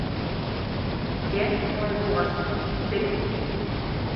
— Йә, улай булғас, киттек.